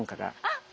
あっ！